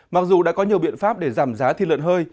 mặc dù đã có nhiều biện pháp để giảm giá thịt lợn hơi